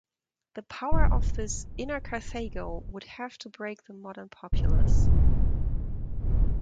The power of this "inner Carthago" would have to break the modern populous.